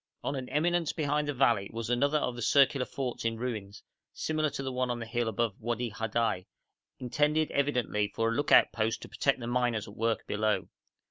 On an eminence behind the valley was another of the circular forts in ruins, similar to the one on the hill above Wadi Hadai, intended evidently for a look out post to protect the miners at work below.